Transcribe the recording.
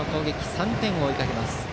３点を追いかけます。